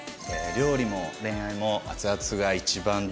料理も恋愛も熱々が一番ですわ。